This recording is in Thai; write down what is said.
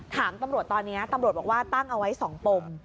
ถามตำรวจตอนนี้ตำรวจบอกว่าตั้งเอาไว้๒ปม